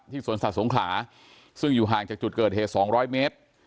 สวนสัตว์สงขลาซึ่งอยู่ห่างจากจุดเกิดเหตุ๒๐๐เมตร